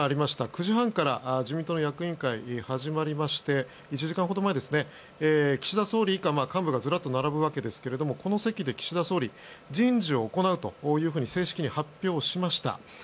９時半から自民党の役員会が始まりまして１時間ほど前ですね岸田総理以下幹部がずらりと並ぶわけですがこの席で岸田総理人事を行うと正式に発表しました。